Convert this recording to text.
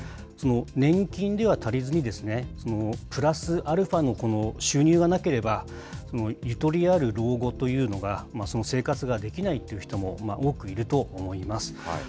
年金では足りずに、プラスアルファの収入がなければ、ゆとりある老後というのが、その生活ができないっていう人も多くいると思います。